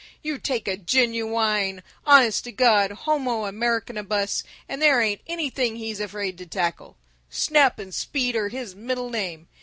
You take a genuwine, honest to God homo Americanibus and there ain't anything he's afraid to tackle. Snap and speed are his middle name!